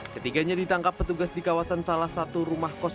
ketiganya ditangkap petugas di kawasan salah satu rumah kos